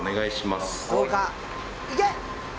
いけ！